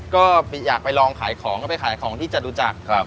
ก็อยากไปลองขายของก็ไปขายของที่จตุจักร